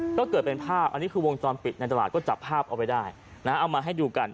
ก็เกิดเป็นภาพอันนี้คือวงจรปิดในตลาดก็จับภาพเอาไว้ได้นะเอามาให้ดูกัน